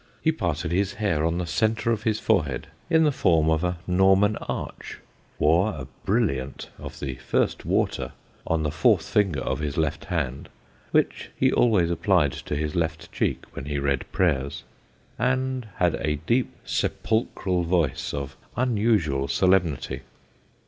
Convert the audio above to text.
He parted his hair on the centre of his forehead in the form of a Norman arch, wore a brilliant of the first water on the fourth finger of his left hand (which he always applied to his left cheek when he read prayers), and had a deep sepulchral voice of unusual solemnity.